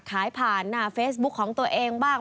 ขายผ่านหน้าเฟซบุ๊คของตัวเองบ้าง